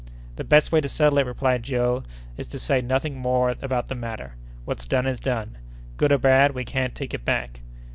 "The best way to settle it," replied Joe, "is to say nothing more about the matter. What's done is done. Good or bad, we can't take it back."